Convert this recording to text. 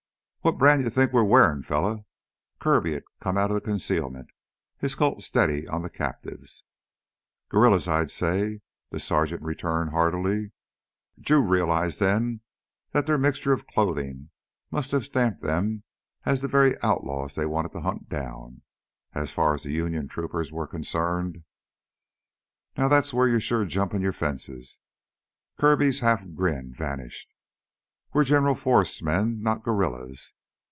"What brand you think we're wearin', fella?" Kirby had come out of concealment, his Colt steady on the captives. "Guerrillas, I'd say," the sergeant returned hardily. Drew realized then that their mixture of clothing must have stamped them as the very outlaws they wanted to hunt down, as far as the Union troopers were concerned. "Now that's wheah you're sure jumpin' your fences," Kirby's half grin vanished. "We're General Forrest's men, not guerrillas.